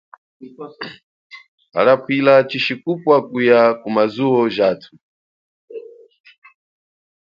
Hala pwila tshishikupwa kuya kumazuwo jathu.